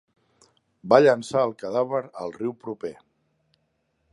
Va llançar el cadàver al riu proper.